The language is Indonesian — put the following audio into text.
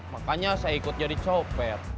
makanya saya ikut jadi copet